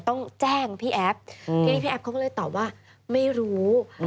ต้องแจ้งพี่แอฟทีนี้พี่แอฟเขาก็เลยตอบว่าไม่รู้